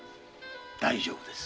大丈夫です。